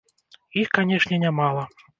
Іх, канешне, не мала.